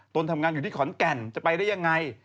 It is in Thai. ตนทำงานอยู่ที่ขอนแก่นจะไปได้ยังไง